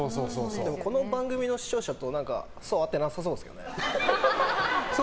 でもこの番組の視聴者と層が合ってなさそうですね。